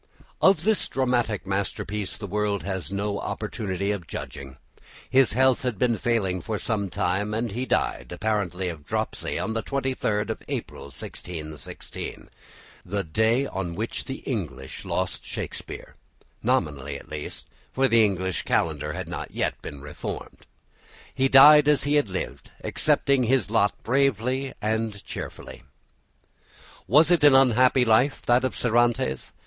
Of this dramatic masterpiece the world has no opportunity of judging; his health had been failing for some time, and he died, apparently of dropsy, on the 23rd of April, 1616, the day on which England lost Shakespeare, nominally at least, for the English calendar had not yet been reformed. He died as he had lived, accepting his lot bravely and cheerfully. Was it an unhappy life, that of Cervantes?